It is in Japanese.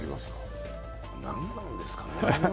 なんですかね